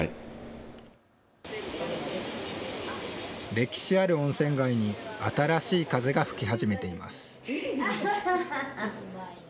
歴史ある温泉街に新しい風が吹き始めています。